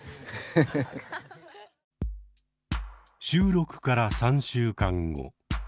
収録から３週間後。